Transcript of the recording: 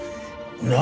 何？